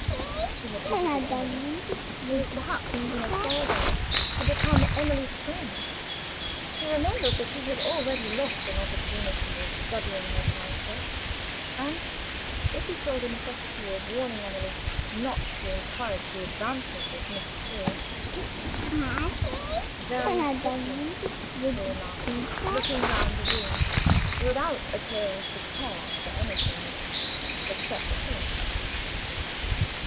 She had visited Emily; she was perhaps in a fair way to become Emily's friend. He remembered that he had already lost an opportunity of studying her character, and if he saw the necessity of warning Emily not to encourage the advances of Miss de Sor. "Very pretty," he remarked, looking round the room without appearing to care for anything in it, except the prints.